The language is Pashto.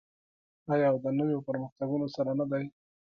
آیا او د نویو پرمختګونو سره نه دی؟